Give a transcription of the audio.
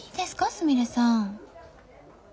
すみれさん。